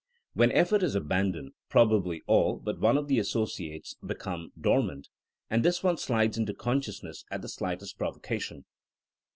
When effort is abandoned, prob ably all but one of the associates become dor mant, and this one slides into consciousness at the slightest provocation.